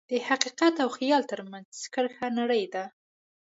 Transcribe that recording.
د حقیقت او خیال ترمنځ کرښه نری ده.